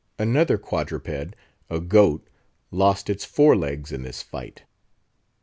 Another quadruped, a goat, lost its fore legs in this fight.